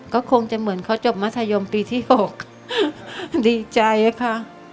ก็คงจะเหมือนเขาจบมัธยมปีที่๖ดีใจค่ะ